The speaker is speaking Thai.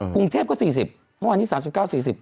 กรุงเทพก็๔๐วันนี้๓๙๔๐